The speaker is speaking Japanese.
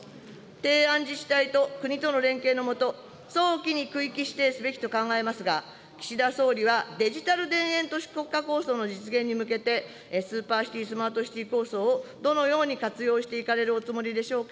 提案自治体と国との連携の下、早期に区域指定すべきと考えますが、岸田総理は、デジタル田園都市国家構想の実現に向けて、スーパーシティ・スマートシティ構想をどのように活用していかれるおつもりでしょうか。